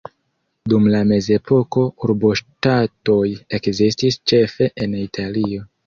Dum la mezepoko urboŝtatoj ekzistis ĉefe en Italio.